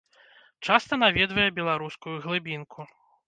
Часта наведвае беларускую глыбінку.